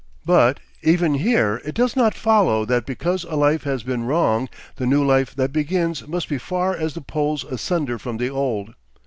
But even here it does not follow that because a life has been wrong the new life that begins must be far as the poles asunder from the old.